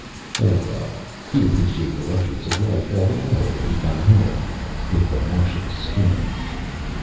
Oh, well, he'd appreciate the luxuries of life all the more when he got home with the Martian's skin.